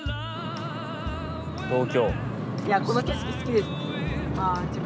東京。